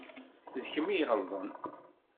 D kemm i iɣelḍen